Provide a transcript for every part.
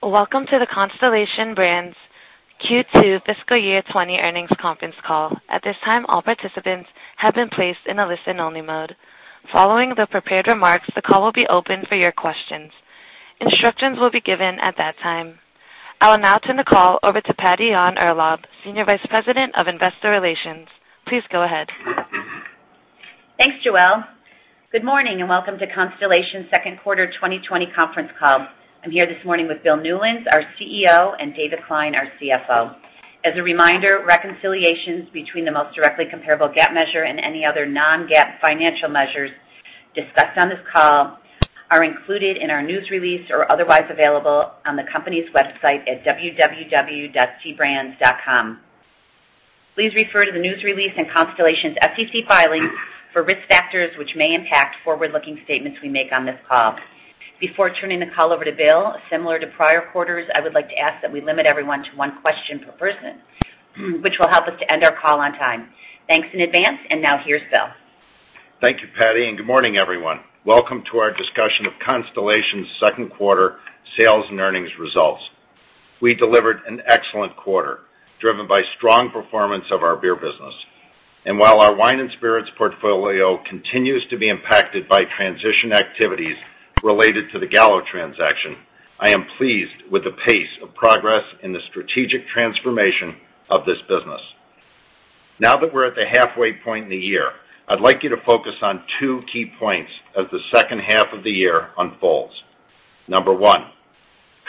Welcome to the Constellation Brands Q2 fiscal year 2020 earnings conference call. At this time, all participants have been placed in a listen-only mode. Following the prepared remarks, the call will be open for your questions. Instructions will be given at that time. I will now turn the call over to Patty Yahn-Urlaub, Senior Vice President of Investor Relations. Please go ahead. Thanks, Joelle. Good morning and welcome to Constellation's second quarter 2020 conference call. I'm here this morning with Bill Newlands, our CEO, and David Klein, our CFO. As a reminder, reconciliations between the most directly comparable GAAP measure and any other non-GAAP financial measures discussed on this call are included in our news release or otherwise available on the company's website at www.cbrands.com. Please refer to the news release and Constellation's SEC filings for risk factors which may impact forward-looking statements we make on this call. Before turning the call over to Bill, similar to prior quarters, I would like to ask that we limit everyone to one question per person, which will help us to end our call on time. Thanks in advance. Now here's Bill. Thank you, Patty, and good morning, everyone. Welcome to our discussion of Constellation's second quarter sales and earnings results. We delivered an excellent quarter, driven by strong performance of our beer business. While our wine and spirits portfolio continues to be impacted by transition activities related to the Gallo transaction, I am pleased with the pace of progress in the strategic transformation of this business. Now that we're at the halfway point in the year, I'd like you to focus on two key points as the second half of the year unfolds. Number one,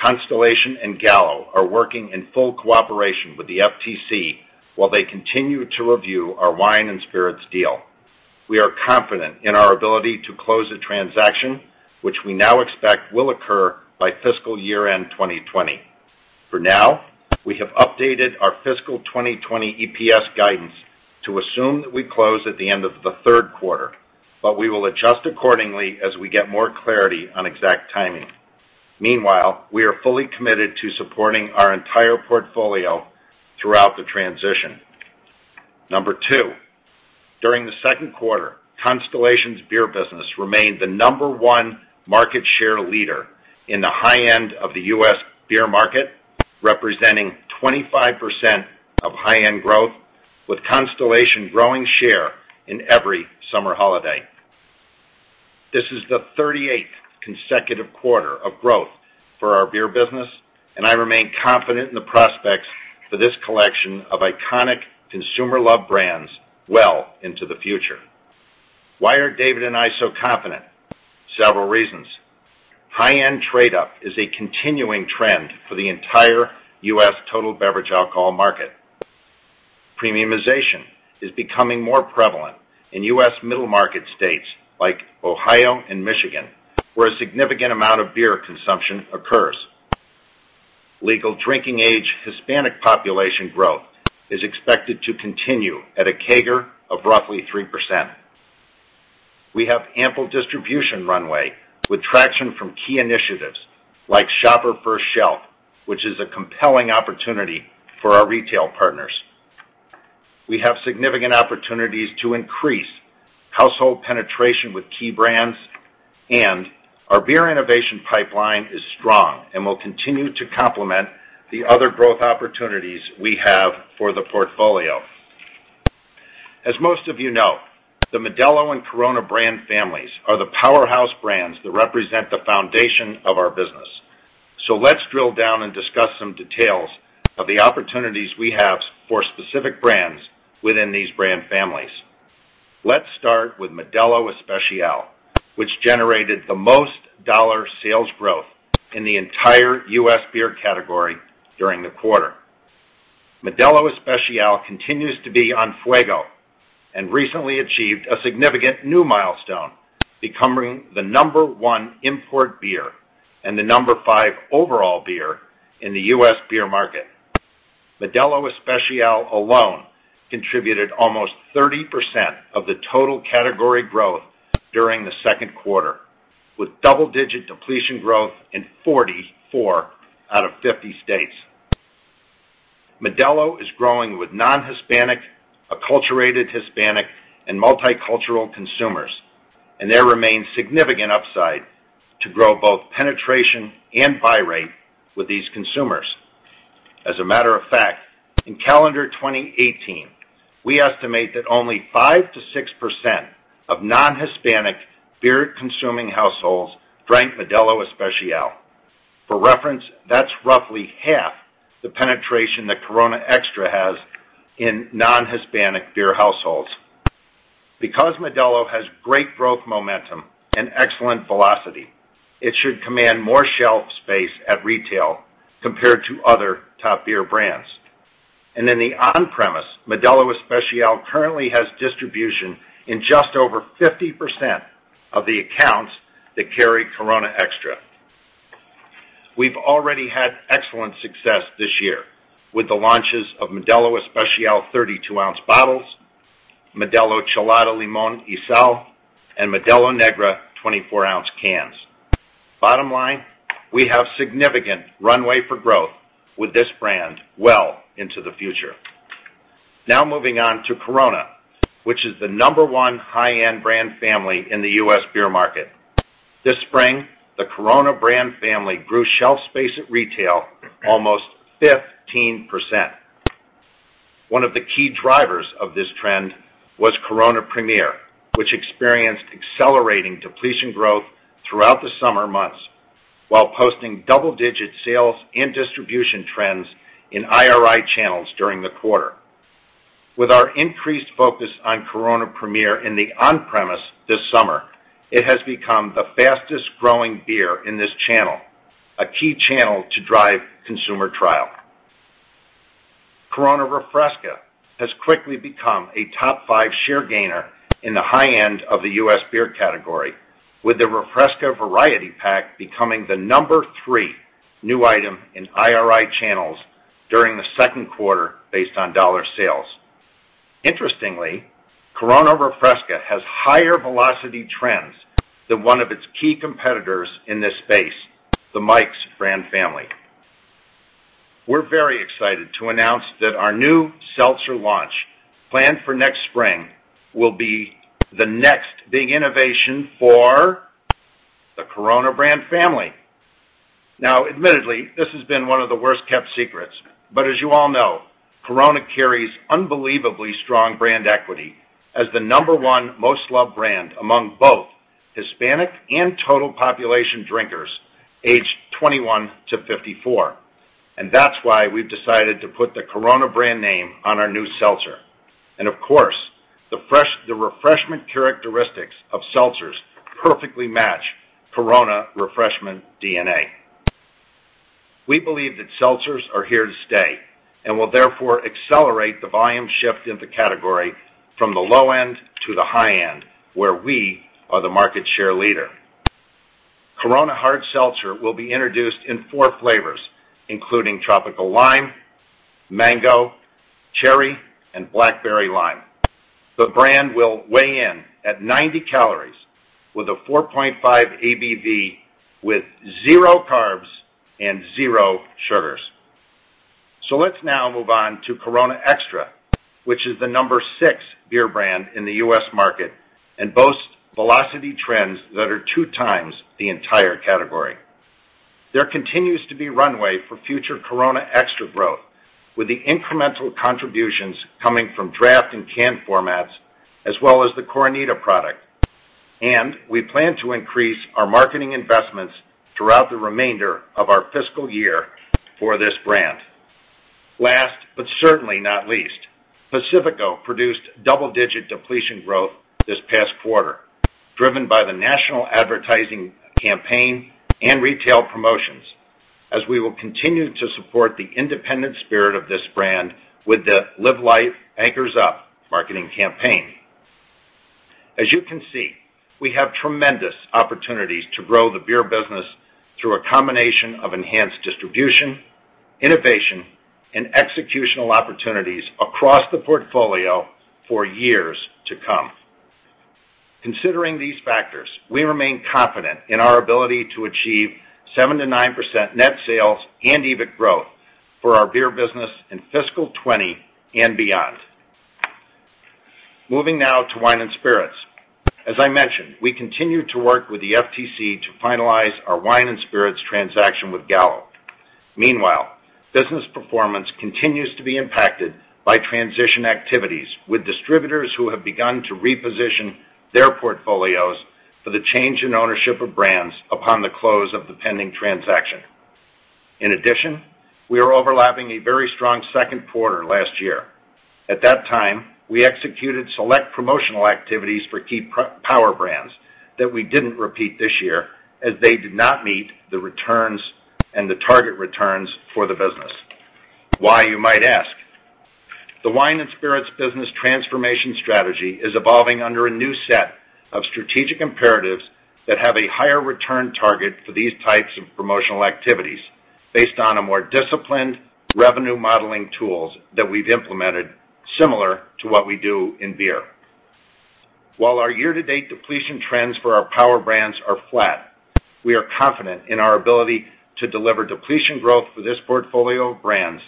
Constellation and Gallo are working in full cooperation with the FTC while they continue to review our wine and spirits deal. We are confident in our ability to close the transaction, which we now expect will occur by fiscal year-end 2020. For now, we have updated our fiscal 2020 EPS guidance to assume that we close at the end of the third quarter. We will adjust accordingly as we get more clarity on exact timing. Meanwhile, we are fully committed to supporting our entire portfolio throughout the transition. Number 2, during the second quarter, Constellation's beer business remained the number 1 market share leader in the high end of the U.S. beer market, representing 25% of high-end growth, with Constellation growing share in every summer holiday. This is the 38th consecutive quarter of growth for our beer business, and I remain confident in the prospects for this collection of iconic consumer-loved brands well into the future. Why are David and I so confident? Several reasons. High-end trade up is a continuing trend for the entire U.S. total beverage alcohol market. Premiumization is becoming more prevalent in U.S. middle-market states like Ohio and Michigan, where a significant amount of beer consumption occurs. Legal drinking age Hispanic population growth is expected to continue at a CAGR of roughly 3%. We have ample distribution runway with traction from key initiatives like Shopper First Shelf, which is a compelling opportunity for our retail partners. We have significant opportunities to increase household penetration with key brands, and our beer innovation pipeline is strong and will continue to complement the other growth opportunities we have for the portfolio. As most of you know, the Modelo and Corona brand families are the powerhouse brands that represent the foundation of our business. Let's drill down and discuss some details of the opportunities we have for specific brands within these brand families. Let's start with Modelo Especial, which generated the most dollar sales growth in the entire U.S. beer category during the quarter. Modelo Especial continues to be on fuego and recently achieved a significant new milestone, becoming the number 1 import beer and the number 5 overall beer in the U.S. beer market. Modelo Especial alone contributed almost 30% of the total category growth during the second quarter, with double-digit depletion growth in 44 out of 50 states. Modelo is growing with non-Hispanic, acculturated Hispanic, and multicultural consumers, and there remains significant upside to grow both penetration and buy rate with these consumers. As a matter of fact, in calendar 2018, we estimate that only 5%-6% of non-Hispanic beer-consuming households drank Modelo Especial. For reference, that's roughly half the penetration that Corona Extra has in non-Hispanic beer households. Because Modelo has great growth momentum and excellent velocity, it should command more shelf space at retail compared to other top beer brands. In the on-premise, Modelo Especial currently has distribution in just over 50% of the accounts that carry Corona Extra. We've already had excellent success this year with the launches of Modelo Especial 32-ounce bottles, Modelo Chelada Limón y Sal, and Modelo Negra 24-ounce cans. Bottom line, we have significant runway for growth with this brand well into the future. Moving on to Corona, which is the number one high-end brand family in the U.S. beer market. This spring, the Corona brand family grew shelf space at retail almost 15%. One of the key drivers of this trend was Corona Premier, which experienced accelerating depletion growth throughout the summer months while posting double-digit sales and distribution trends in IRI channels during the quarter. With our increased focus on Corona Premier in the on-premise this summer, it has become the fastest-growing beer in this channel, a key channel to drive consumer trial. Corona Refresca has quickly become a top 5 share gainer in the high end of the U.S. beer category, with the Refresca variety pack becoming the number 3 new item in IRI channels during the second quarter based on dollar sales. Interestingly, Corona Refresca has higher velocity trends than one of its key competitors in this space, the Mike's brand family. We're very excited to announce that our new seltzer launch, planned for next spring, will be the next big innovation for the Corona brand family. Admittedly, this has been one of the worst-kept secrets, but as you all know, Corona carries unbelievably strong brand equity as the number one most loved brand among both Hispanic and total population drinkers aged 21 to 54. That's why we've decided to put the Corona brand name on our new seltzer. Of course, the refreshment characteristics of seltzers perfectly match Corona refreshment DNA. We believe that seltzers are here to stay and will therefore accelerate the volume shift in the category from the low end to the high end, where we are the market share leader. Corona Hard Seltzer will be introduced in four flavors, including tropical lime, mango, cherry, and blackberry lime. The brand will weigh in at 90 calories with a 4.5 ABV with zero carbs and zero sugars. Let's now move on to Corona Extra, which is the number 6 beer brand in the U.S. market and boasts velocity trends that are 2 times the entire category. There continues to be runway for future Corona Extra growth, with the incremental contributions coming from draft and can formats, as well as the Coronita product. We plan to increase our marketing investments throughout the remainder of our fiscal year for this brand. Last, but certainly not least, Pacifico produced double-digit depletion growth this past quarter, driven by the national advertising campaign and retail promotions, as we will continue to support the independent spirit of this brand with the Live Life Anchors Up marketing campaign. As you can see, we have tremendous opportunities to grow the beer business through a combination of enhanced distribution, innovation, and executional opportunities across the portfolio for years to come. Considering these factors, we remain confident in our ability to achieve 7%-9% net sales and EBIT growth for our beer business in fiscal 2020 and beyond. Moving now to wine and spirits. As I mentioned, we continue to work with the FTC to finalize our wine and spirits transaction with Gallo. Meanwhile, business performance continues to be impacted by transition activities with distributors who have begun to reposition their portfolios for the change in ownership of brands upon the close of the pending transaction. In addition, we are overlapping a very strong second quarter last year. At that time, we executed select promotional activities for key power brands that we didn't repeat this year, as they did not meet the returns and the target returns for the business. Why, you might ask? The wine and spirits business transformation strategy is evolving under a new set of strategic imperatives that have a higher return target for these types of promotional activities based on more disciplined revenue modeling tools that we've implemented, similar to what we do in beer. While our year-to-date depletion trends for our power brands are flat, we are confident in our ability to deliver depletion growth for this portfolio of brands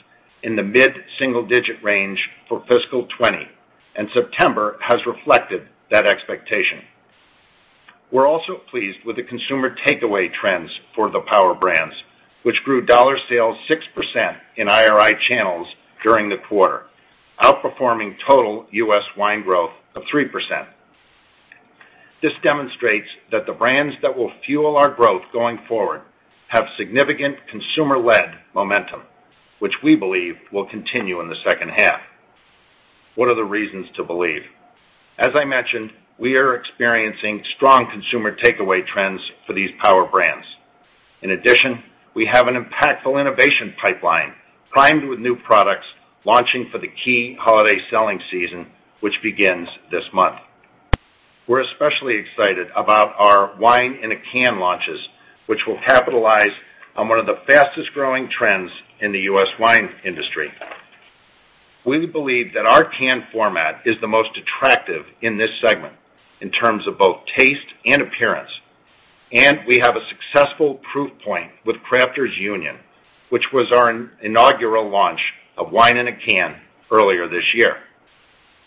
in the mid-single digit range for fiscal 2020, and September has reflected that expectation. We're also pleased with the consumer takeaway trends for the power brands, which grew dollar sales 6% in IRI channels during the quarter, outperforming total U.S. wine growth of 3%. This demonstrates that the brands that will fuel our growth going forward have significant consumer-led momentum, which we believe will continue in the second half. What are the reasons to believe? As I mentioned, we are experiencing strong consumer takeaway trends for these power brands. We have an impactful innovation pipeline primed with new products launching for the key holiday selling season, which begins this month. We're especially excited about our wine-in-a-can launches, which will capitalize on one of the fastest-growing trends in the U.S. wine industry. We believe that our can format is the most attractive in this segment in terms of both taste and appearance. We have a successful proof point with Crafters Union, which was our inaugural launch of wine in a can earlier this year.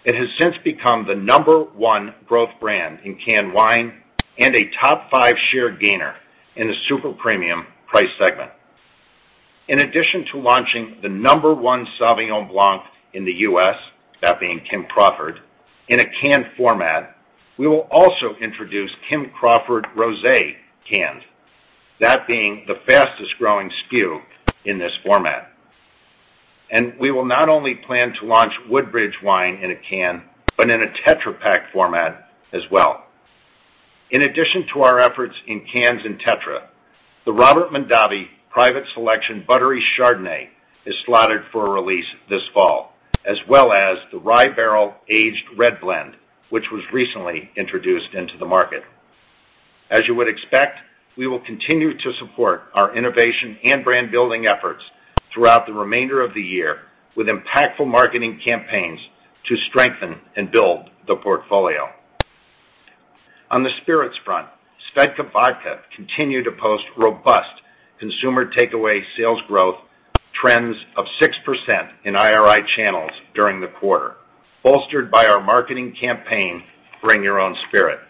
It has since become the number 1 growth brand in canned wine and a top 5 share gainer in the super premium price segment. In addition to launching the number one Sauvignon Blanc in the U.S., that being Kim Crawford, in a canned format, we will also introduce Kim Crawford Rosé canned, that being the fastest-growing SKU in this format. We will not only plan to launch Woodbridge wine in a can, but in a Tetra Pak format as well. In addition to our efforts in cans and Tetra, the Robert Mondavi Private Selection Buttery Chardonnay is slotted for a release this fall, as well as the Rye Barrel-Aged Red Blend, which was recently introduced into the market. As you would expect, we will continue to support our innovation and brand-building efforts throughout the remainder of the year with impactful marketing campaigns to strengthen and build the portfolio. On the spirits front, SVEDKA Vodka continued to post robust consumer takeaway sales growth trends of 6% in IRI channels during the quarter, bolstered by our marketing campaign, Bring Your Own Spirit.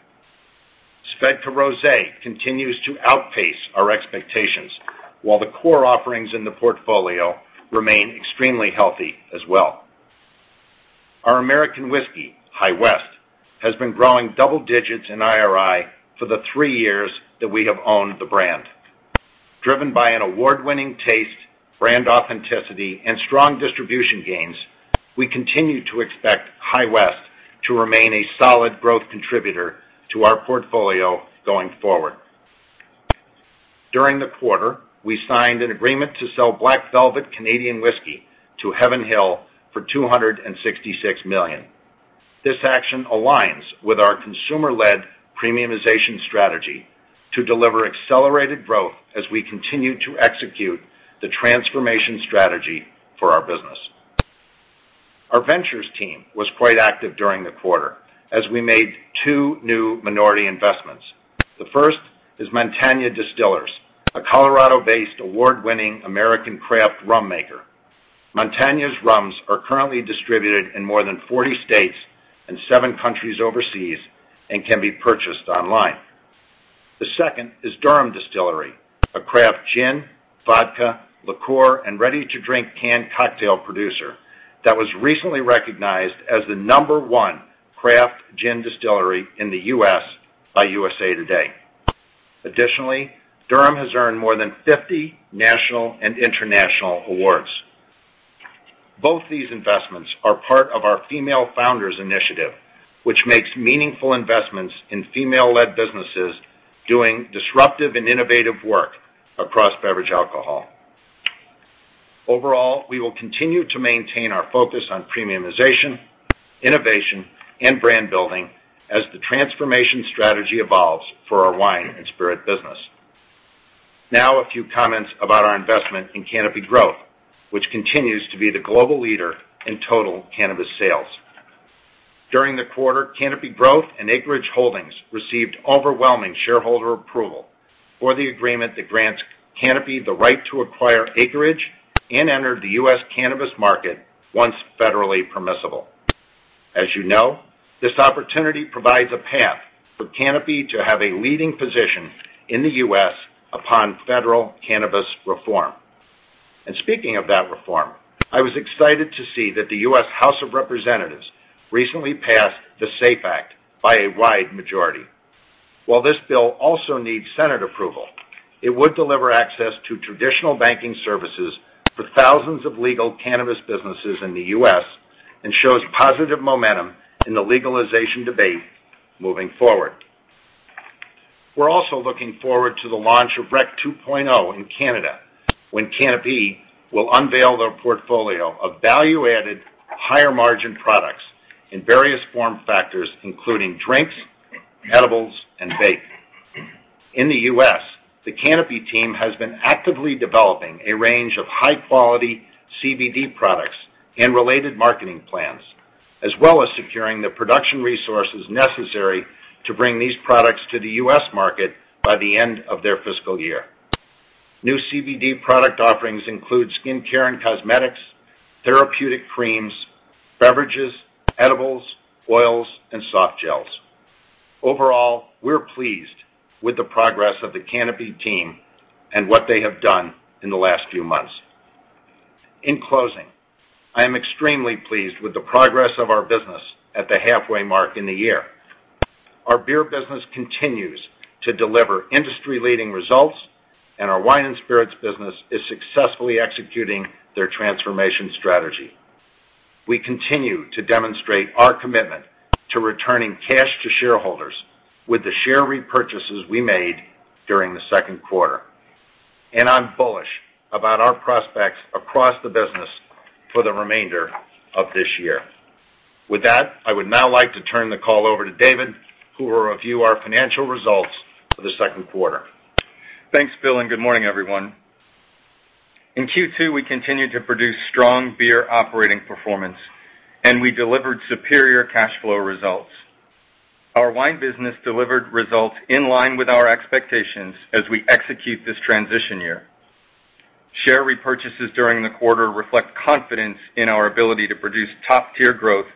SVEDKA Rosé continues to outpace our expectations, while the core offerings in the portfolio remain extremely healthy as well. Our American whiskey, High West, has been growing double digits in IRI for the three years that we have owned the brand. Driven by an award-winning taste, brand authenticity, and strong distribution gains, we continue to expect High West to remain a solid growth contributor to our portfolio going forward. During the quarter, we signed an agreement to sell Black Velvet Canadian Whisky to Heaven Hill for $266 million. This action aligns with our consumer-led premiumization strategy to deliver accelerated growth as we continue to execute the transformation strategy for our business. Our ventures team was quite active during the quarter as we made two new minority investments. The first is Montanya Distillers, a Colorado-based award-winning American craft rum maker. Montanya's rums are currently distributed in more than 40 states and seven countries overseas, and can be purchased online. The second is Durham Distillery, a craft gin, vodka, liqueur, and ready-to-drink canned cocktail producer that was recently recognized as the number 1 craft gin distillery in the U.S. by USA Today. Additionally, Durham has earned more than 50 national and international awards. Both these investments are part of our Female Founders Initiative, which makes meaningful investments in female-led businesses doing disruptive and innovative work across beverage alcohol. We will continue to maintain our focus on premiumization, innovation, and brand building as the transformation strategy evolves for our wine and spirit business. Now, a few comments about our investment in Canopy Growth, which continues to be the global leader in total cannabis sales. During the quarter, Canopy Growth and Acreage Holdings received overwhelming shareholder approval for the agreement that grants Canopy the right to acquire Acreage and enter the U.S. cannabis market once federally permissible. As you know, this opportunity provides a path for Canopy to have a leading position in the U.S. upon federal cannabis reform. Speaking of that reform, I was excited to see that the U.S. House of Representatives recently passed the SAFE Act by a wide majority. While this bill also needs Senate approval, it would deliver access to traditional banking services for thousands of legal cannabis businesses in the U.S. and shows positive momentum in the legalization debate moving forward. We're also looking forward to the launch of Cannabis 2.0 in Canada, when Canopy Growth will unveil their portfolio of value-added, higher margin products in various form factors, including drinks, edibles, and vape. In the U.S., the Canopy Growth team has been actively developing a range of high-quality CBD products and related marketing plans, as well as securing the production resources necessary to bring these products to the U.S. market by the end of their fiscal year. New CBD product offerings include skincare and cosmetics, therapeutic creams, beverages, edibles, oils, and soft gels. Overall, we're pleased with the progress of the Canopy Growth team and what they have done in the last few months. In closing, I am extremely pleased with the progress of our business at the halfway mark in the year. Our beer business continues to deliver industry-leading results, our wine and spirits business is successfully executing their transformation strategy. We continue to demonstrate our commitment to returning cash to shareholders with the share repurchases we made during the second quarter. I'm bullish about our prospects across the business for the remainder of this year. With that, I would now like to turn the call over to David, who will review our financial results for the second quarter. Thanks, Bill. Good morning, everyone. In Q2, we continued to produce strong beer operating performance, and we delivered superior cash flow results. Our wine business delivered results in line with our expectations as we execute this transition year. Share repurchases during the quarter reflect confidence in our ability to produce top-tier growth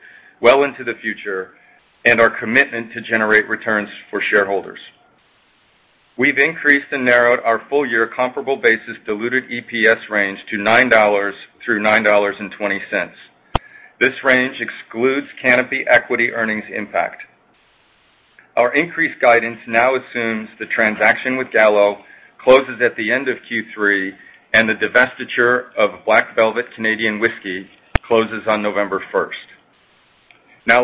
well into the future and our commitment to generate returns for shareholders. We've increased and narrowed our full-year comparable basis diluted EPS range to $9-$9.20. This range excludes Canopy equity earnings impact. Our increased guidance now assumes the transaction with Gallo closes at the end of Q3, and the divestiture of Black Velvet Canadian Whisky closes on November 1st.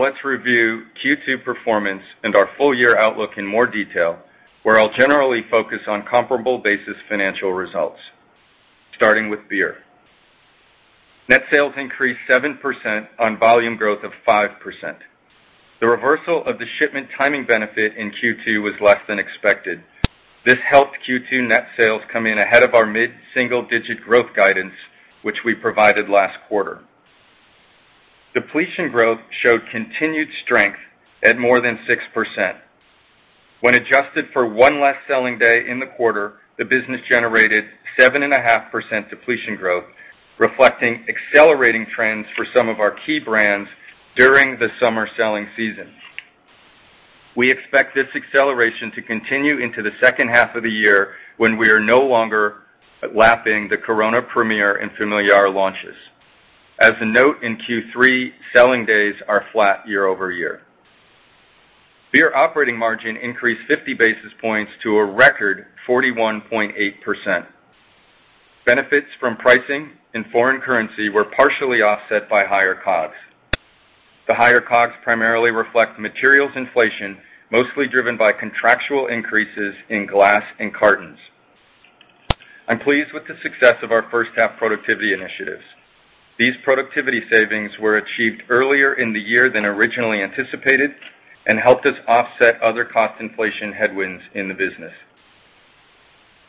Let's review Q2 performance and our full-year outlook in more detail, where I'll generally focus on comparable basis financial results. Starting with beer. Net sales increased 7% on volume growth of 5%. The reversal of the shipment timing benefit in Q2 was less than expected. This helped Q2 net sales come in ahead of our mid-single digit growth guidance, which we provided last quarter. Depletion growth showed continued strength at more than 6%. When adjusted for one less selling day in the quarter, the business generated 7.5% depletion growth, reflecting accelerating trends for some of our key brands during the summer selling season. We expect this acceleration to continue into the second half of the year, when we are no longer lapping the Corona Premier and Familiar launches. As a note, in Q3, selling days are flat year-over-year. Beer operating margin increased 50 basis points to a record 41.8%. Benefits from pricing and foreign currency were partially offset by higher COGS. The higher COGS primarily reflect materials inflation, mostly driven by contractual increases in glass and cartons. I'm pleased with the success of our first half productivity initiatives. These productivity savings were achieved earlier in the year than originally anticipated and helped us offset other cost inflation headwinds in the business.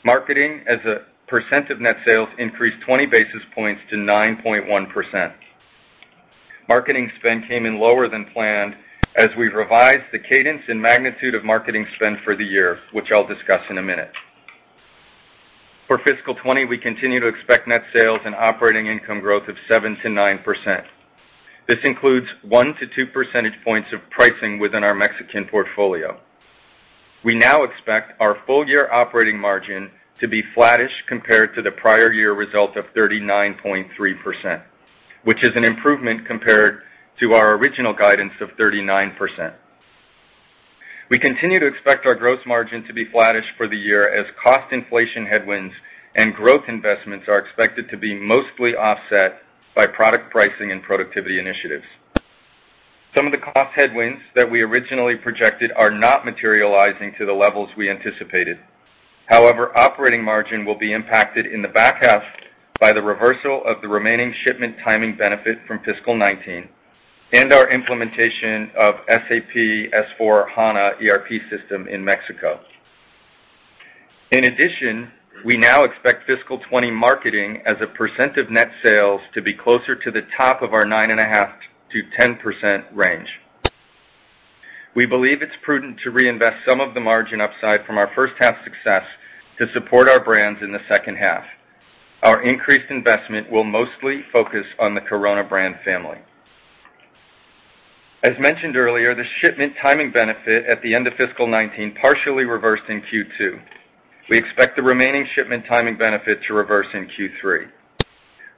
Marketing as a % of net sales increased 20 basis points to 9.1%. Marketing spend came in lower than planned as we revised the cadence and magnitude of marketing spend for the year, which I'll discuss in a minute. For fiscal 2020, we continue to expect net sales and operating income growth of 7%-9%. This includes 1-2 percentage points of pricing within our Mexican portfolio. We now expect our full-year operating margin to be flattish compared to the prior year result of 39.3%, which is an improvement compared to our original guidance of 39%. We continue to expect our gross margin to be flattish for the year as cost inflation headwinds and growth investments are expected to be mostly offset by product pricing and productivity initiatives. Some of the cost headwinds that we originally projected are not materializing to the levels we anticipated. Operating margin will be impacted in the back half by the reversal of the remaining shipment timing benefit from fiscal 2019 and our implementation of SAP S/4HANA ERP system in Mexico. We now expect fiscal 2020 marketing as a % of net sales to be closer to the top of our 9.5%-10% range. We believe it's prudent to reinvest some of the margin upside from our first half success to support our brands in the second half. Our increased investment will mostly focus on the Corona brand family. As mentioned earlier, the shipment timing benefit at the end of fiscal 2019 partially reversed in Q2. We expect the remaining shipment timing benefit to reverse in Q3.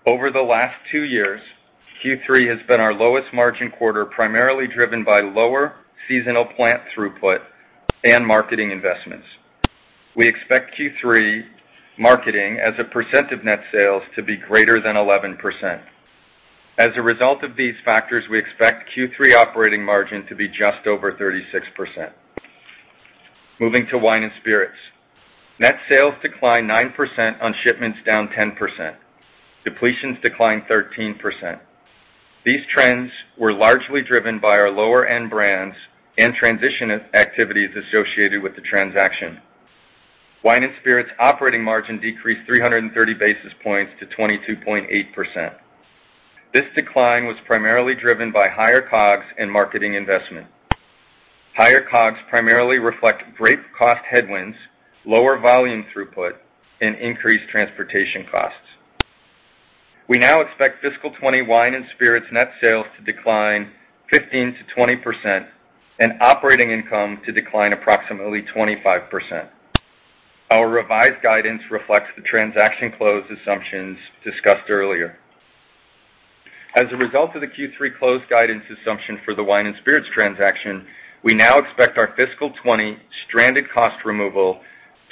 Over the last two years, Q3 has been our lowest margin quarter, primarily driven by lower seasonal plant throughput and marketing investments. We expect Q3 marketing as a percent of net sales to be greater than 11%. As a result of these factors, we expect Q3 operating margin to be just over 36%. Moving to wine and spirits. Net sales declined 9% on shipments down 10%. Depletions declined 13%. These trends were largely driven by our lower end brands and transition activities associated with the transaction. Wine and spirits operating margin decreased 330 basis points to 22.8%. This decline was primarily driven by higher COGS and marketing investment. Higher COGS primarily reflect grape cost headwinds, lower volume throughput, and increased transportation costs. We now expect fiscal 2020 wine and spirits net sales to decline 15%-20% and operating income to decline approximately 25%. Our revised guidance reflects the transaction close assumptions discussed earlier. As a result of the Q3 close guidance assumption for the wine and spirits transaction, we now expect our fiscal 2020 stranded cost removal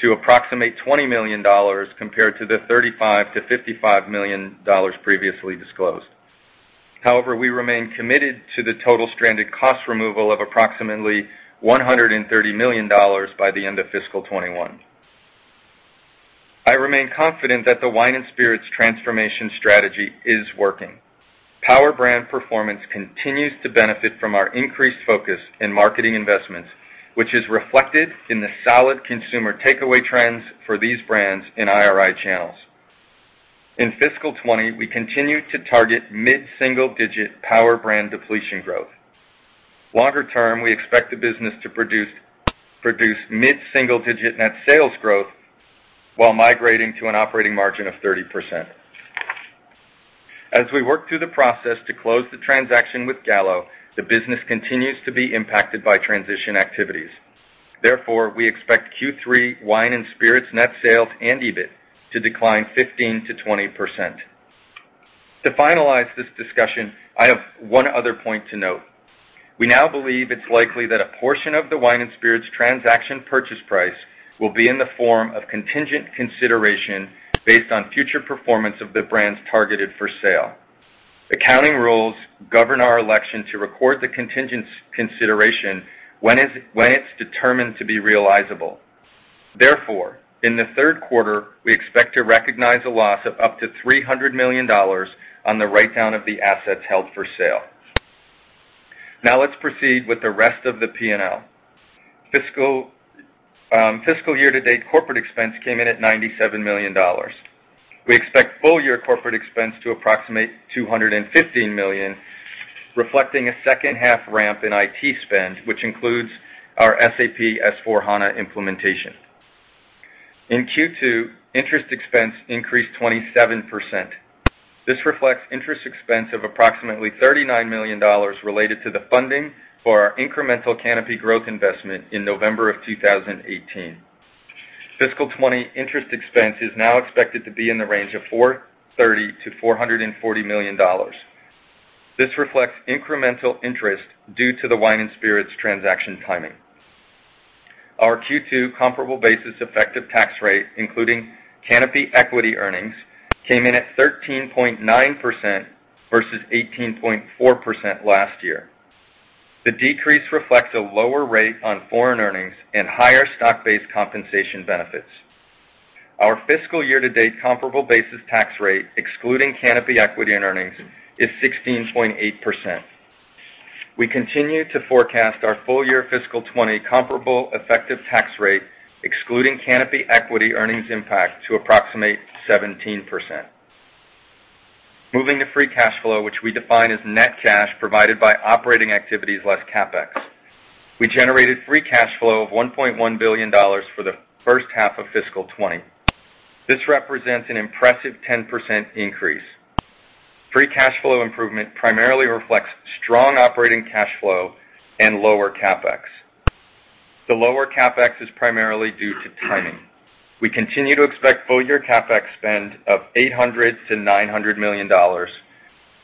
to approximate $20 million compared to the $35 million-$55 million previously disclosed. We remain committed to the total stranded cost removal of approximately $130 million by the end of fiscal 2021. I remain confident that the wine and spirits transformation strategy is working. Power Brand performance continues to benefit from our increased focus in marketing investments, which is reflected in the solid consumer takeaway trends for these brands in IRI channels. In fiscal 2020, we continued to target mid-single-digit Power Brand depletion growth. Longer term, we expect the business to produce mid-single-digit net sales growth while migrating to an operating margin of 30%. As we work through the process to close the transaction with Gallo, the business continues to be impacted by transition activities. Therefore, we expect Q3 wine and spirits net sales and EBIT to decline 15%-20%. To finalize this discussion, I have one other point to note. We now believe it's likely that a portion of the wine and spirits transaction purchase price will be in the form of contingent consideration based on future performance of the brands targeted for sale. Accounting rules govern our election to record the contingent consideration when it's determined to be realizable. Therefore, in the third quarter, we expect to recognize a loss of up to $300 million on the write-down of the assets held for sale. Let's proceed with the rest of the P&L. Fiscal year to date, corporate expense came in at $97 million. We expect full-year corporate expense to approximate $215 million, reflecting a second half ramp in IT spend, which includes our SAP S/4HANA implementation. In Q2, interest expense increased 27%. This reflects interest expense of approximately $39 million related to the funding for our incremental Canopy Growth investment in November of 2018. Fiscal 2020 interest expense is now expected to be in the range of $430 million-$440 million. This reflects incremental interest due to the wine and spirits transaction timing. Our Q2 comparable basis effective tax rate, including Canopy equity earnings, came in at 13.9% versus 18.4% last year. The decrease reflects a lower rate on foreign earnings and higher stock-based compensation benefits. Our fiscal year to date comparable basis tax rate, excluding Canopy equity and earnings, is 16.8%. We continue to forecast our full year fiscal 2020 comparable effective tax rate, excluding Canopy equity earnings impact, to approximate 17%. Moving to free cash flow, which we define as net cash provided by operating activities less CapEx. We generated free cash flow of $1.1 billion for the first half of fiscal 2020. This represents an impressive 10% increase. Free cash flow improvement primarily reflects strong operating cash flow and lower CapEx. The lower CapEx is primarily due to timing. We continue to expect full year CapEx spend of $800 million-$900 million.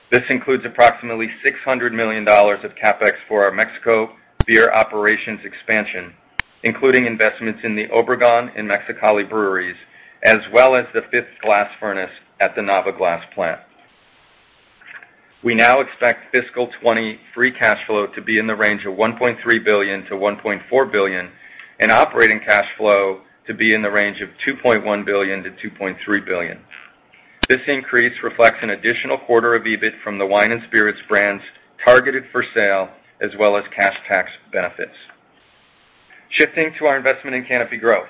This includes approximately $600 million of CapEx for our Mexico beer operations expansion, including investments in the Obregón and Mexicali breweries, as well as the fifth glass furnace at the Nava Glass Plant. We now expect fiscal 2020 free cash flow to be in the range of $1.3 billion-$1.4 billion and operating cash flow to be in the range of $2.1 billion-$2.3 billion. This increase reflects an additional quarter of EBIT from the wine and spirits brands targeted for sale, as well as cash tax benefits. Shifting to our investment in Canopy Growth,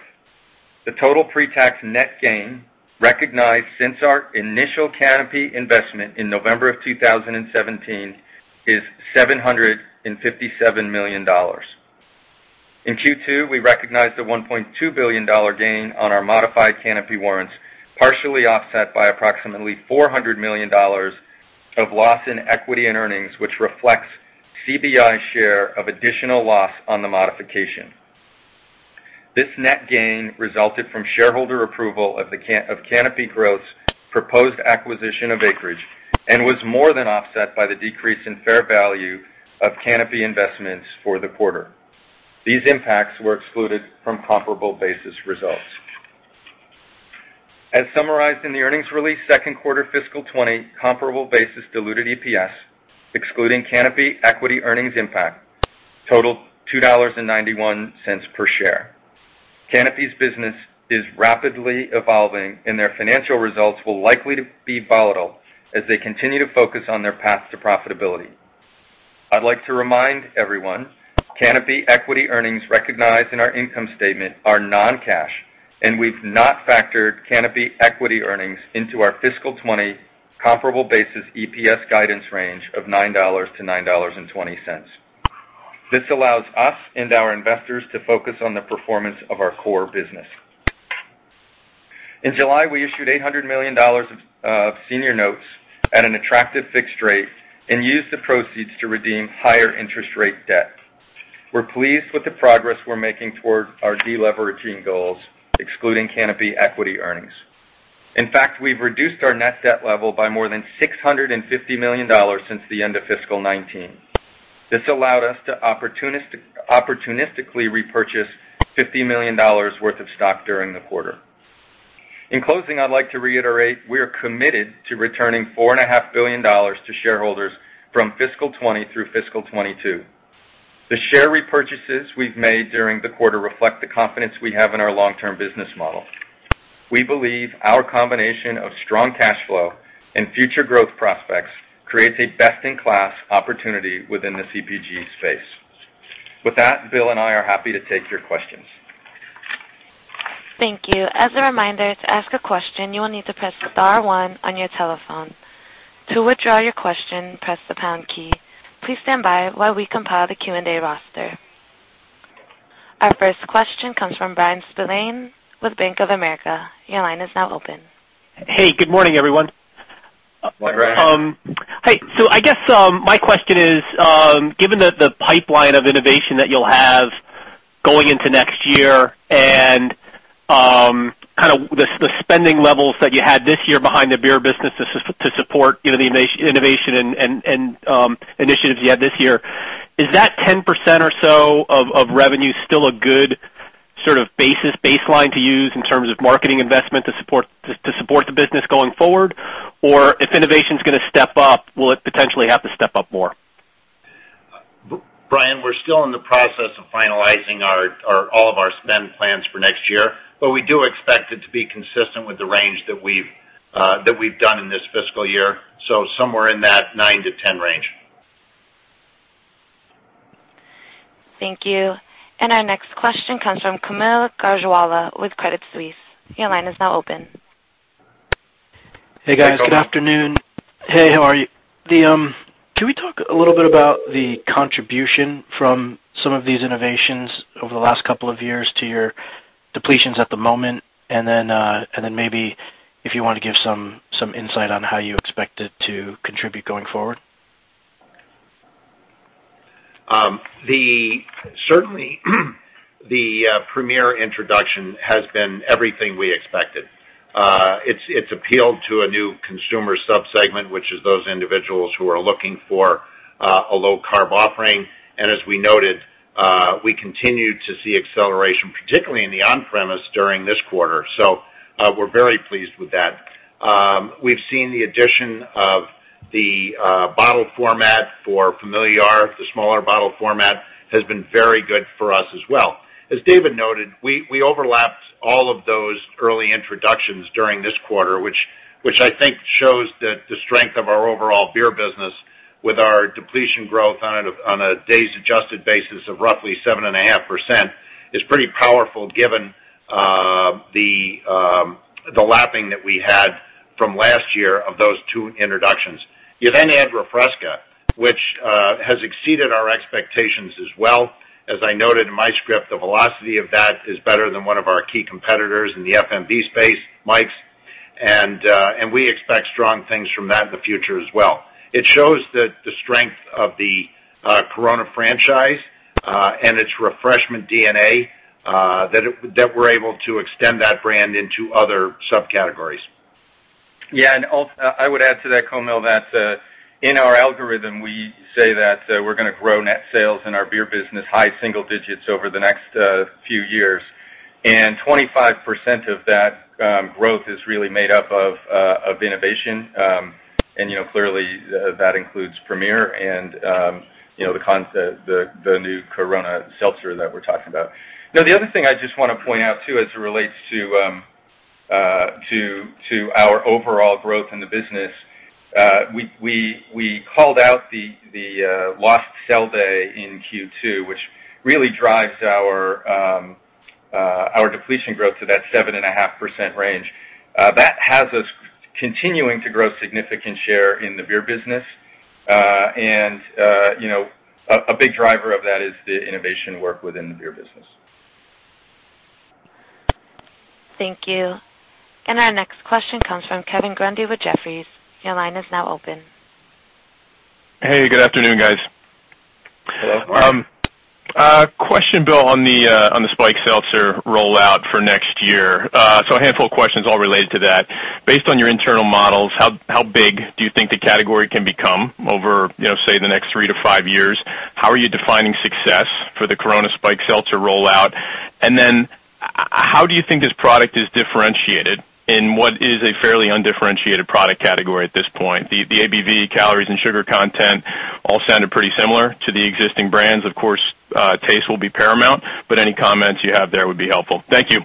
the total pre-tax net gain recognized since our initial Canopy investment in November of 2017 is $757 million. In Q2, we recognized a $1.2 billion gain on our modified Canopy warrants, partially offset by approximately $400 million of loss in equity and earnings, which reflects CBI's share of additional loss on the modification. This net gain resulted from shareholder approval of Canopy Growth's proposed acquisition of Acreage and was more than offset by the decrease in fair value of Canopy investments for the quarter. These impacts were excluded from comparable basis results. As summarized in the earnings release, second quarter fiscal 2020 comparable basis diluted EPS, excluding Canopy equity earnings impact, totaled $2.91 per share. Canopy's business is rapidly evolving, and their financial results will likely be volatile as they continue to focus on their path to profitability. I'd like to remind everyone, Canopy equity earnings recognized in our income statement are non-cash, and we've not factored Canopy equity earnings into our fiscal 2020 comparable basis EPS guidance range of $9-$9.20. This allows us and our investors to focus on the performance of our core business. In July, we issued $800 million of senior notes at an attractive fixed rate and used the proceeds to redeem higher interest rate debt. We're pleased with the progress we're making toward our de-leveraging goals, excluding Canopy equity earnings. In fact, we've reduced our net debt level by more than $650 million since the end of fiscal 2019. This allowed us to opportunistically repurchase $50 million worth of stock during the quarter. In closing, I'd like to reiterate, we are committed to returning $4.5 billion to shareholders from fiscal 2020 through fiscal 2022. The share repurchases we've made during the quarter reflect the confidence we have in our long-term business model. We believe our combination of strong cash flow and future growth prospects creates a best-in-class opportunity within the CPG space. With that, Bill and I are happy to take your questions. Thank you. As a reminder, to ask a question, you will need to press star one on your telephone. To withdraw your question, press the pound key. Please stand by while we compile the Q&A roster. Our first question comes from Bryan Spillane with Bank of America. Your line is now open. Hey, good morning, everyone. Good morning. Hi. I guess, my question is, given that the pipeline of innovation that you'll have going into next year and the spending levels that you had this year behind the beer business to support the innovation and initiatives you had this year, is that 10% or so of revenue still a good sort of baseline to use in terms of marketing investment to support the business going forward? Or if innovation's going to step up, will it potentially have to step up more? Bryan, we're still in the process of finalizing all of our spend plans for next year, but we do expect it to be consistent with the range that we've done in this fiscal year, so somewhere in that nine to 10 range. Thank you. Our next question comes from Kaumil Gajrawala with Credit Suisse. Your line is now open. Hey, guys. Good afternoon. Hey, how are you? Can we talk a little bit about the contribution from some of these innovations over the last couple of years to your depletions at the moment, and then maybe if you want to give some insight on how you expect it to contribute going forward? Certainly, the Premier introduction has been everything we expected. It's appealed to a new consumer subsegment, which is those individuals who are looking for a low-carb offering. As we noted, we continue to see acceleration, particularly in the on-premise during this quarter. We're very pleased with that. We've seen the addition of the bottle format for Familiar. The smaller bottle format has been very good for us as well. As David noted, we overlapped all of those early introductions during this quarter, which I think shows that the strength of our overall beer business with our depletion growth on a days adjusted basis of roughly 7.5% is pretty powerful given the lapping that we had from last year of those two introductions. You add Refresca, which has exceeded our expectations as well. As I noted in my script, the velocity of that is better than one of our key competitors in the FMB space, Mike's, and we expect strong things from that in the future as well. It shows that the strength of the Corona franchise, and its refreshment DNA, that we're able to extend that brand into other subcategories. Yeah, I would add to that, Kaumil, that in our algorithm, we say that we're going to grow net sales in our beer business high single digits over the next few years, 25% of that growth is really made up of innovation. Clearly, that includes Premier and the new Corona Seltzer that we're talking about. Now, the other thing I just want to point out, too, as it relates to our overall growth in the business, we called out the lost sale day in Q2, which really drives our depletion growth to that 7.5% range. That has us continuing to grow significant share in the beer business. A big driver of that is the innovation work within the beer business. Thank you. Our next question comes from Kevin Grundy with Jefferies. Your line is now open. Hey, good afternoon, guys. Hello. Question, Bill, on the spiked seltzer rollout for next year. A handful of questions all related to that. Based on your internal models, how big do you think the category can become over, say, the next three to five years? How are you defining success for the Corona spiked seltzer rollout? How do you think this product is differentiated in what is a fairly undifferentiated product category at this point? The ABV, calories, and sugar content all sounded pretty similar to the existing brands. Of course, taste will be paramount, but any comments you have there would be helpful. Thank you.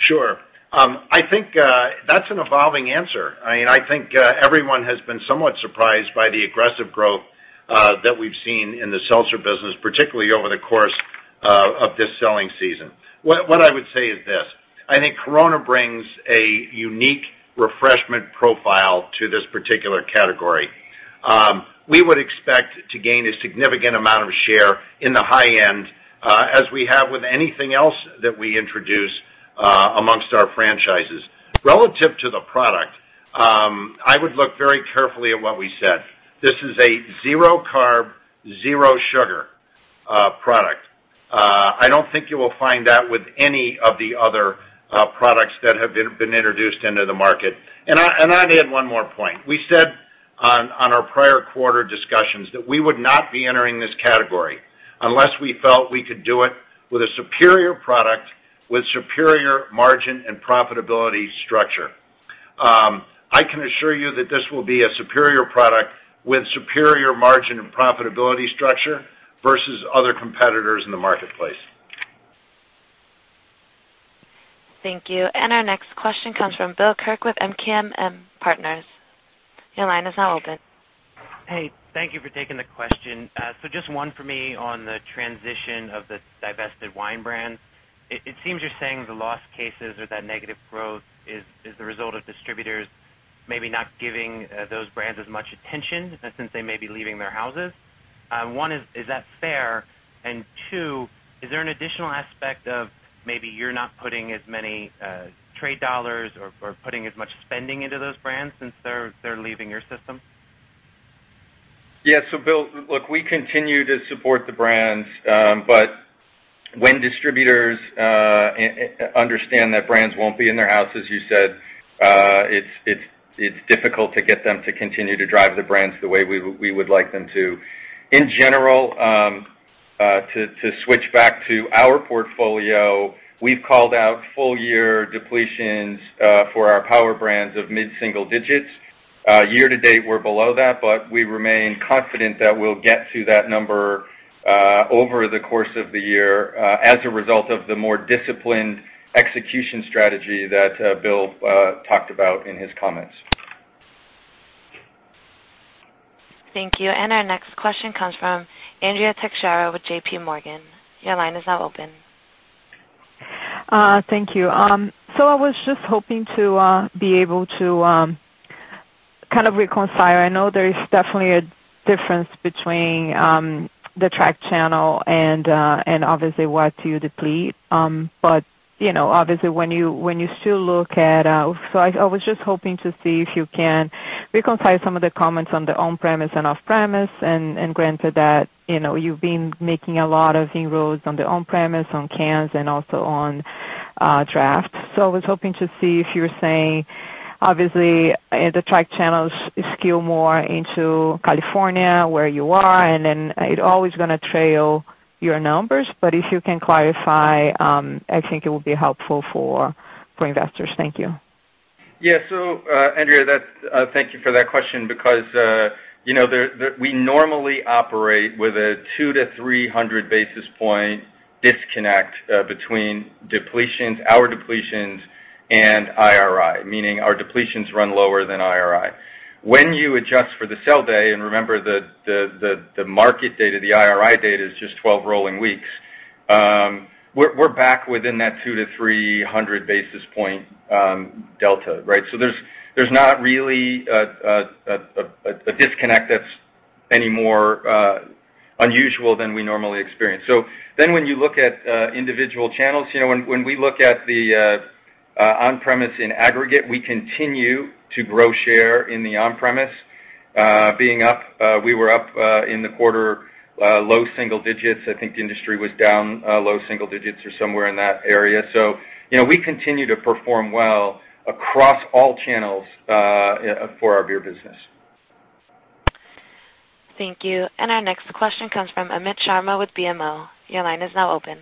Sure. I think that's an evolving answer. Everyone has been somewhat surprised by the aggressive growth that we've seen in the seltzer business, particularly over the course of this selling season. What I would say is this: I think Corona brings a unique refreshment profile to this particular category. We would expect to gain a significant amount of share in the high-end, as we have with anything else that we introduce amongst our franchises. Relative to the product, I would look very carefully at what we said. This is a zero-carb, zero-sugar product. I don't think you will find that with any of the other products that have been introduced into the market. I'd add one more point. We said on our prior quarter discussions that we would not be entering this category unless we felt we could do it with a superior product with superior margin and profitability structure. I can assure you that this will be a superior product with superior margin and profitability structure versus other competitors in the marketplace. Thank you. Our next question comes from Bill Kirk with MKM Partners. Your line is now open. Hey, thank you for taking the question. Just one for me on the transition of the divested wine brands. It seems you're saying the loss cases or that negative growth is the result of distributors maybe not giving those brands as much attention since they may be leaving their houses. One, is that fair? Two, is there an additional aspect of maybe you're not putting as many trade dollars or putting as much spending into those brands since they're leaving your system? Yeah. Bill, look, we continue to support the brands, but when distributors understand that brands won't be in their houses, you said, it's difficult to get them to continue to drive the brands the way we would like them to. In general, to switch back to our portfolio, we've called out full year depletions for our power brands of mid-single digits. Year to date, we're below that, but we remain confident that we'll get to that number over the course of the year, as a result of the more disciplined execution strategy that Bill talked about in his comments. Thank you. Our next question comes from Andrea Teixeira with JP Morgan. Your line is now open. Thank you. I was just hoping to be able to reconcile. I know there is definitely a difference between the track channel and obviously what you deplete. I was just hoping to see if you can reconcile some of the comments on the on-premise and off-premise, and granted that you've been making a lot of inroads on the on-premise, on cans, and also on draft. I was hoping to see if you were saying, obviously, the track channels skew more into California, where you are, and then it always going to trail your numbers. If you can clarify, I think it would be helpful for investors. Thank you. Andrea, thank you for that question because we normally operate with a 200 to 300 basis point disconnect between depletions, our depletions, and IRI, meaning our depletions run lower than IRI. When you adjust for the sell day, and remember the market data, the IRI data is just 12 rolling weeks, we're back within that 200 to 300 basis point delta, right? There's not really a disconnect that's any more unusual than we normally experience. When you look at individual channels, when we look at the on-premise in aggregate, we continue to grow share in the on-premise, being up. We were up in the quarter, low single digits. I think the industry was down low single digits or somewhere in that area. We continue to perform well across all channels for our beer business. Thank you. Our next question comes from Amit Sharma with BMO. Your line is now open.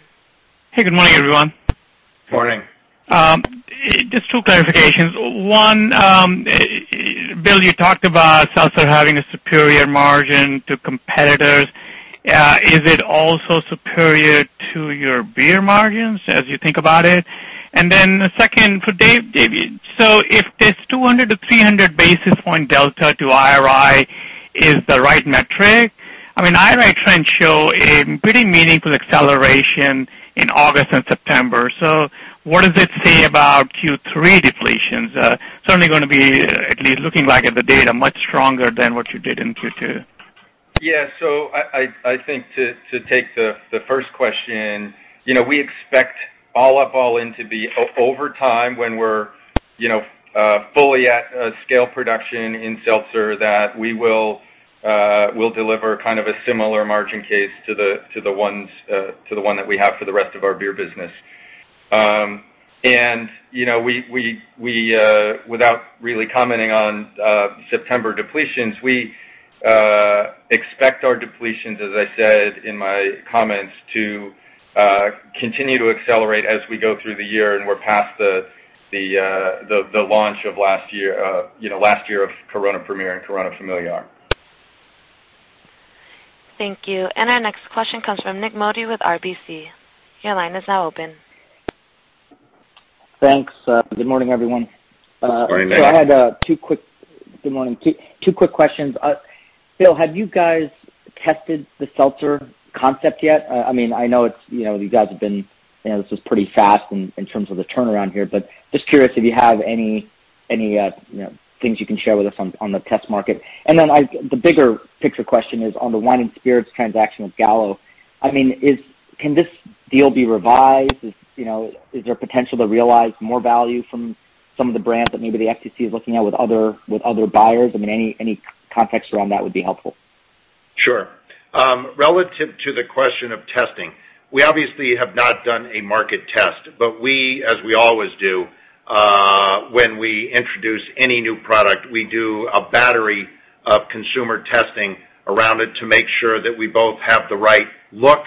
Hey, good morning, everyone. Morning. Just two clarifications. One, Bill, you talked about seltzer having a superior margin to competitors. Is it also superior to your beer margins as you think about it? Second, for David. If this 200-300 basis points delta to IRI is the right metric, IRI trends show a pretty meaningful acceleration in August and September. What does it say about Q3 depletions? Certainly going to be, at least looking back at the data, much stronger than what you did in Q2. I think to take the first question, we expect all up, all in to be over time, when we're fully at scale production in seltzer, that we'll deliver kind of a similar margin case to the one that we have for the rest of our beer business. Without really commenting on September depletions, we expect our depletions, as I said in my comments, to continue to accelerate as we go through the year, and we're past the launch of last year of Corona Premier and Corona Familiar. Thank you. Our next question comes from Nik Modi with RBC. Your line is now open. Thanks. Good morning, everyone. Morning, Nik. Good morning. Two quick questions. Bill, have you guys tested the seltzer concept yet? This was pretty fast in terms of the turnaround here, but just curious if you have any things you can share with us on the test market. The bigger picture question is on the wine and spirits transaction with Gallo. Can this deal be revised? Is there potential to realize more value from some of the brands that maybe the FTC is looking at with other buyers? Any context around that would be helpful. Sure. Relative to the question of testing, we obviously have not done a market test, but we, as we always do when we introduce any new product, we do a battery of consumer testing around it to make sure that we both have the right look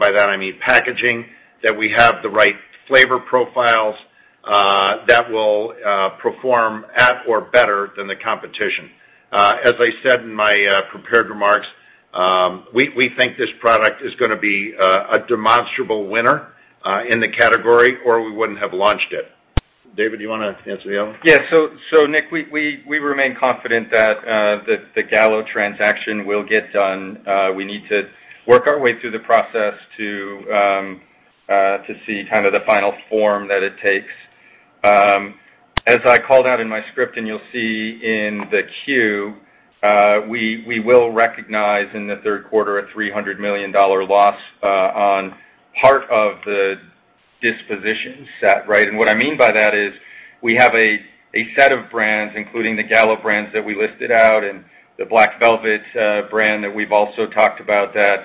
By that I mean packaging, that we have the right flavor profiles that will perform at or better than the competition. As I said in my prepared remarks, we think this product is going to be a demonstrable winner in the category, or we wouldn't have launched it. David, do you want to answer the other one? Nik, we remain confident that the Gallo transaction will get done. We need to work our way through the process to see kind of the final form that it takes. As I called out in my script, you'll see in the 10-Q, we will recognize in the third quarter a $300 million loss on part of the disposition set. Right. What I mean by that is we have a set of brands, including the Gallo brands that we listed out and the Black Velvet brand that we've also talked about, that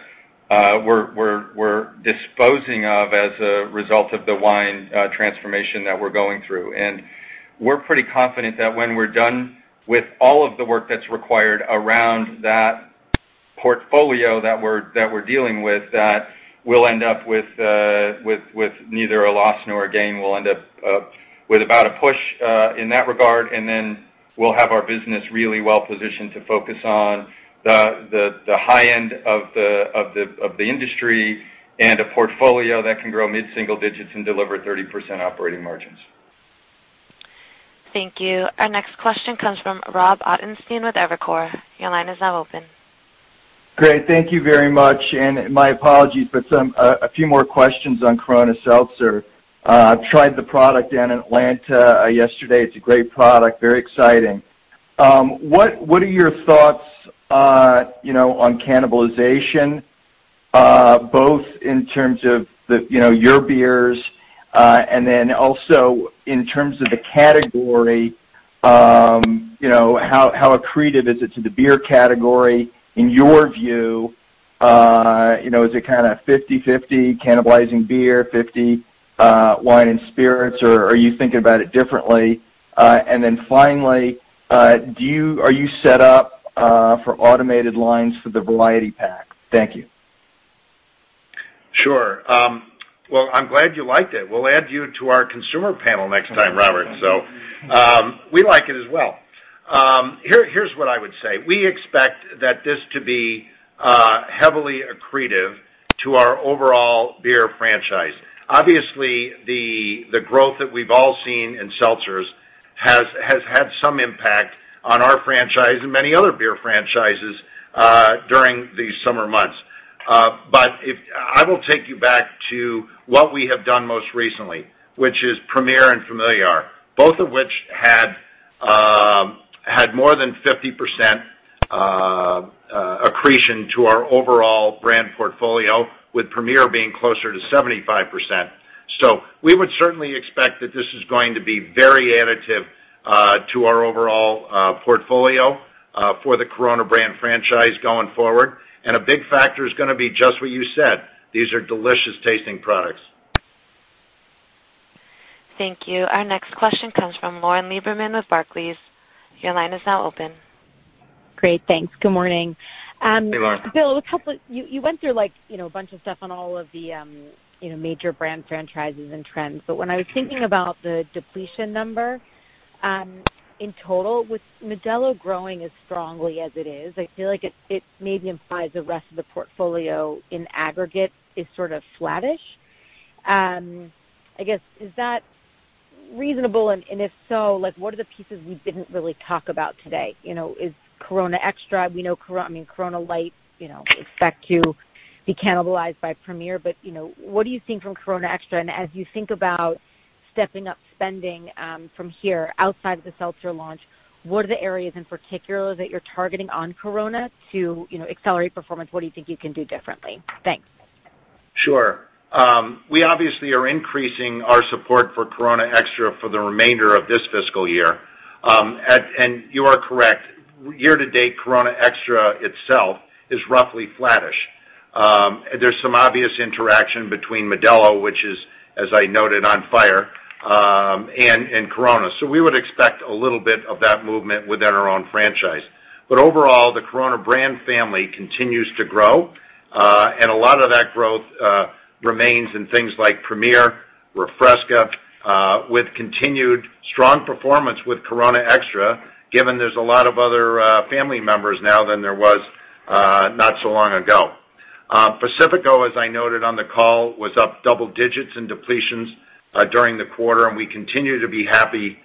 we're disposing of as a result of the wine transformation that we're going through. We're pretty confident that when we're done with all of the work that's required around that portfolio that we're dealing with, that we'll end up with neither a loss nor a gain. We'll end up with about a push in that regard, and then we'll have our business really well-positioned to focus on the high end of the industry and a portfolio that can grow mid-single digits and deliver 30% operating margins. Thank you. Our next question comes from Robert Ottenstein with Evercore. Your line is now open. Great. Thank you very much. My apologies, but a few more questions on Corona Seltzer. I tried the product down in Atlanta yesterday. It's a great product, very exciting. What are your thoughts on cannibalization, both in terms of your beers and then also in terms of the category? How accretive is it to the beer category in your view? Is it kind of 50/50 cannibalizing beer, 50 wine and spirits, or are you thinking about it differently? Finally, are you set up for automated lines for the variety pack? Thank you. Sure. Well, I'm glad you liked it. We'll add you to our consumer panel next time, Robert. We like it as well. Here's what I would say. We expect that this to be heavily accretive to our overall beer franchise. Obviously, the growth that we've all seen in seltzers has had some impact on our franchise and many other beer franchises during the summer months. I will take you back to what we have done most recently, which is Premier and Familiar, both of which had more than 50% accretion to our overall brand portfolio, with Premier being closer to 75%. We would certainly expect that this is going to be very additive to our overall portfolio for the Corona brand franchise going forward. A big factor is going to be just what you said. These are delicious-tasting products. Thank you. Our next question comes from Lauren Lieberman with Barclays. Your line is now open. Great, thanks. Good morning. Hey, Lauren. Bill, you went through a bunch of stuff on all of the major brand franchises and trends, but when I was thinking about the depletion number in total, with Modelo growing as strongly as it is, I feel like it maybe implies the rest of the portfolio in aggregate is sort of flattish. I guess, is that reasonable, and if so, what are the pieces we didn't really talk about today? Is Corona Extra? We know Corona Light expect to be cannibalized by Premier, but what are you seeing from Corona Extra? As you think about stepping up spending from here outside of the Seltzer launch, what are the areas in particular that you're targeting on Corona to accelerate performance? What do you think you can do differently? Thanks. Sure. We obviously are increasing our support for Corona Extra for the remainder of this fiscal year. You are correct. Year-to-date, Corona Extra itself is roughly flattish. There is some obvious interaction between Modelo, which is, as I noted, on fire, and Corona. We would expect a little bit of that movement within our own franchise. Overall, the Corona brand family continues to grow, and a lot of that growth remains in things like Premier, Refresca, with continued strong performance with Corona Extra, given there is a lot of other family members now than there was not so long ago. Pacifico, as I noted on the call, was up double digits in depletions during the quarter, and we continue to be happy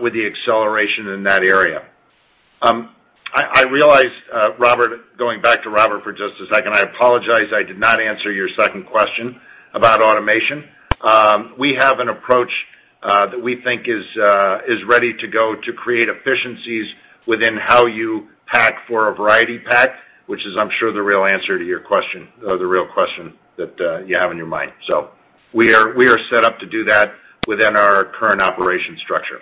with the acceleration in that area. I realized, Robert, going back to Robert for just a second, I apologize, I did not answer your second question about automation. We have an approach that we think is ready to go to create efficiencies within how you pack for a variety pack, which is, I'm sure, the real answer to your question or the real question that you have in your mind. We are set up to do that within our current operation structure.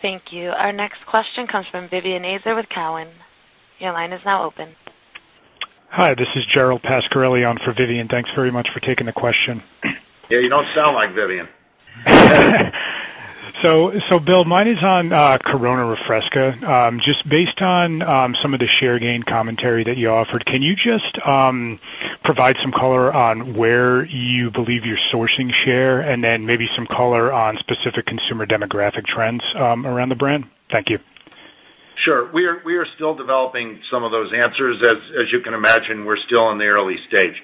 Thank you. Our next question comes from Vivien Azer with Cowen. Your line is now open. Hi, this is Gerald Pascarelli on for Vivien. Thanks very much for taking the question. Yeah, you don't sound like Vivien. Bill, mine is on Corona Refresca. Just based on some of the share gain commentary that you offered, can you just provide some color on where you believe you're sourcing share, and then maybe some color on specific consumer demographic trends around the brand? Thank you. Sure. We are still developing some of those answers. As you can imagine, we're still in the early stage.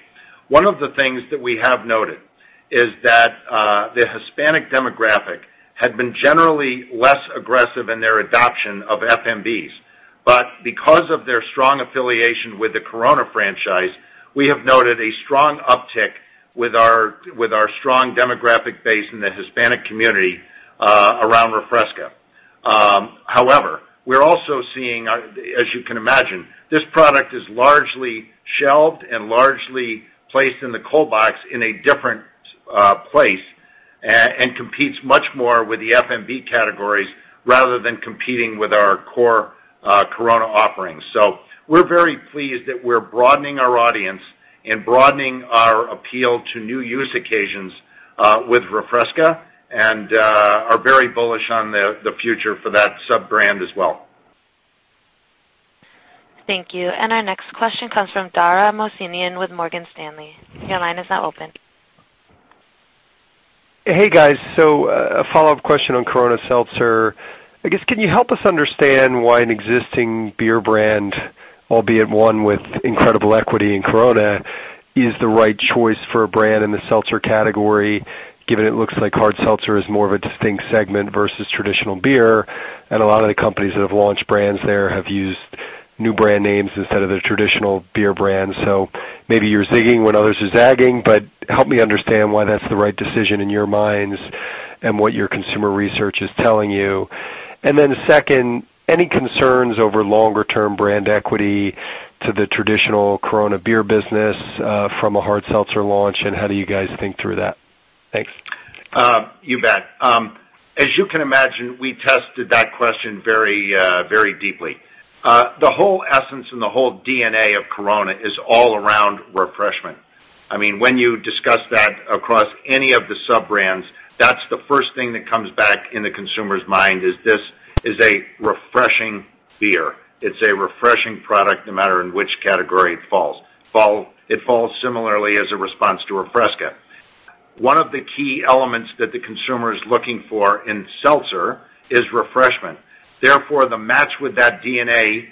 One of the things that we have noted is that the Hispanic demographic had been generally less aggressive in their adoption of FMBs. Because of their strong affiliation with the Corona franchise, we have noted a strong uptick with our strong demographic base in the Hispanic community around Refresca. However, we're also seeing, as you can imagine, this product is largely shelved and largely placed in the cold box in a different place, and competes much more with the FMB categories rather than competing with our core Corona offerings. We're very pleased that we're broadening our audience and broadening our appeal to new use occasions with Refresca, and are very bullish on the future for that sub-brand as well. Thank you. Our next question comes from Dara Mohsenian with Morgan Stanley. Your line is now open. Hey, guys. A follow-up question on Corona Seltzer. I guess, can you help us understand why an existing beer brand, albeit one with incredible equity in Corona, is the right choice for a brand in the seltzer category, given it looks like hard seltzer is more of a distinct segment versus traditional beer, and a lot of the companies that have launched brands there have used new brand names instead of their traditional beer brands. Maybe you're zigging when others are zagging, but help me understand why that's the right decision in your minds and what your consumer research is telling you. Second, any concerns over longer-term brand equity to the traditional Corona beer business from a hard seltzer launch, and how do you guys think through that? Thanks. You bet. As you can imagine, we tested that question very deeply. The whole essence and the whole DNA of Corona is all around refreshment. When you discuss that across any of the sub-brands, that's the first thing that comes back in the consumer's mind is this is a refreshing beer. It's a refreshing product, no matter in which category it falls. It falls similarly as a response to Refresca. One of the key elements that the consumer is looking for in seltzer is refreshment. The match with that DNA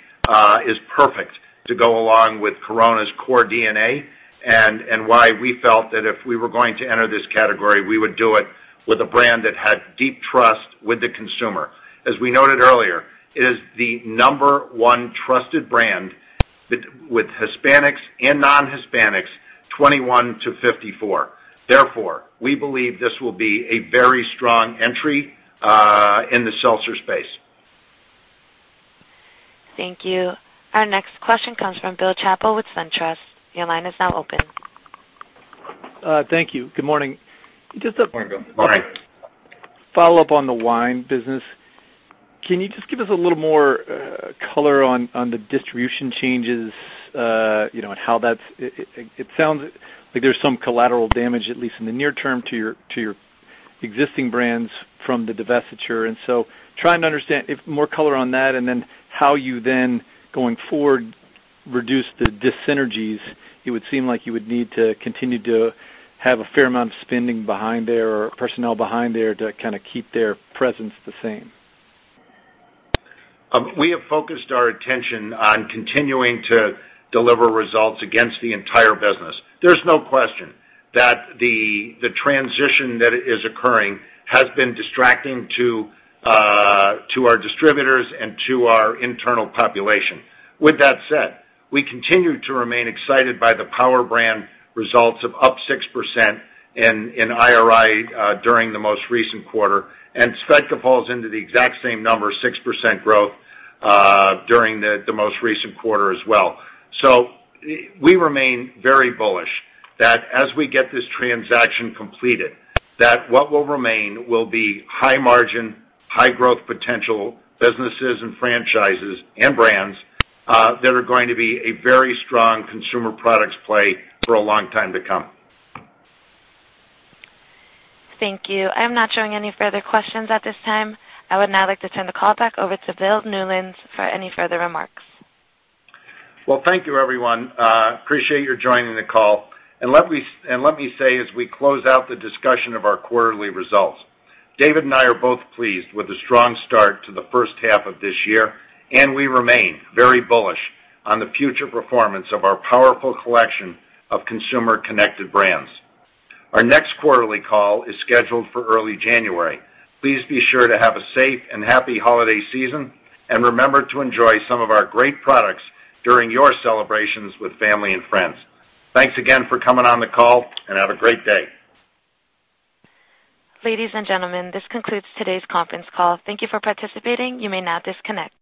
is perfect to go along with Corona's core DNA, and why we felt that if we were going to enter this category, we would do it with a brand that had deep trust with the consumer. As we noted earlier, it is the number 1 trusted brand with Hispanics and non-Hispanics, 21-54. We believe this will be a very strong entry in the seltzer space. Thank you. Our next question comes from Bill Chappell with SunTrust. Your line is now open. Thank you. Good morning. Morning, Bill. Follow-up on the wine business. Can you just give us a little more color on the distribution changes? It sounds like there's some collateral damage, at least in the near term, to your existing brands from the divestiture. Trying to understand more color on that, and then how you then, going forward, reduce the dis-synergies? It would seem like you would need to continue to have a fair amount of spending behind there or personnel behind there to kind of keep their presence the same. We have focused our attention on continuing to deliver results against the entire business. There's no question that the transition that is occurring has been distracting to our distributors and to our internal population. With that said, we continue to remain excited by the power brand results of up 6% in IRI during the most recent quarter, and Svedka falls into the exact same number, 6% growth during the most recent quarter as well. We remain very bullish that as we get this transaction completed, that what will remain will be high margin, high growth potential businesses and franchises and brands that are going to be a very strong consumer products play for a long time to come. Thank you. I'm not showing any further questions at this time. I would now like to turn the call back over to Bill Newlands for any further remarks. Well, thank you everyone. Appreciate your joining the call. Let me say, as we close out the discussion of our quarterly results, David and I are both pleased with the strong start to the first half of this year, and we remain very bullish on the future performance of our powerful collection of consumer-connected brands. Our next quarterly call is scheduled for early January. Please be sure to have a safe and happy holiday season, remember to enjoy some of our great products during your celebrations with family and friends. Thanks again for coming on the call, have a great day. Ladies and gentlemen, this concludes today's conference call. Thank you for participating. You may now disconnect.